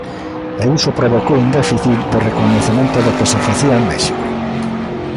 E iso provocou un déficit de recoñecemento do que se facía en México.